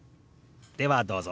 ではどうぞ！